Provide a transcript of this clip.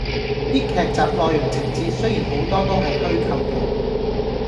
啲劇集內容情節雖然好多都係虛構嘅